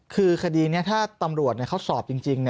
คือคดีนี้ถ้าตำรวจเขาสอบจริง